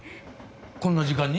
こんな時間に？